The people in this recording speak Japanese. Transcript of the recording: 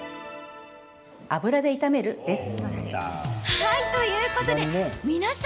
油で炒めるです。